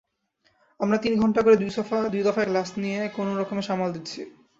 আমরা তিন ঘণ্টা করে দুই দফায় ক্লাস নিয়ে কোনো রকমে সামাল দিচ্ছি।